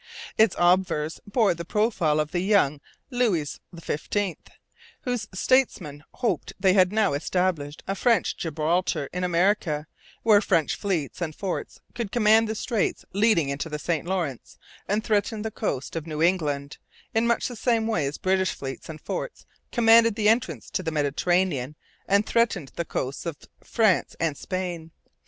Its obverse bore the profile of the young Louis XV, whose statesmen hoped they had now established a French Gibraltar in America, where French fleets and forts would command the straits leading into the St Lawrence and threaten the coast of New England, in much the same way as British fleets and forts commanded the entrance to the Mediterranean and threatened the coasts of France and Spain.